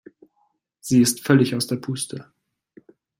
Sie ist völlig aus der Puste.